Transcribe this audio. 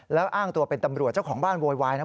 แล้วอ้างตัวเป็นตำรวจเจ้าของบ้านโวยวายนะ